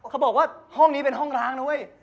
เขาบอกว่าห้องนี้เป็นห้องร้าง